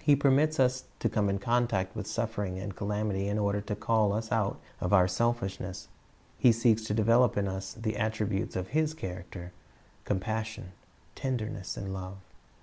He permits us to come in contact with suffering and calamity in order to call us out of our selfishness; He seeks to develop in us the attributes of His character, — compassion, tenderness, and love.